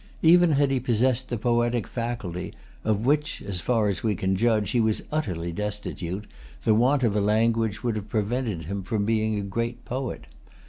Even had he possessed the poetic faculty, of which, as[Pg 253] far as we can judge, he was utterly destitute, the want of a language would have prevented him from being a great poet.